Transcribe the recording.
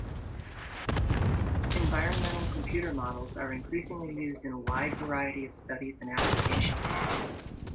Environmental computer models are increasingly used in a wide variety of studies and applications.